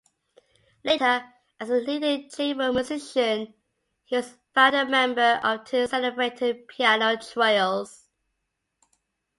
Later, as a leading chamber musician, he was founder-member of two celebrated piano trios.